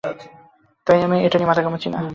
তাই আমি এটা নিয়ে মাথা ঘামাচ্ছি না।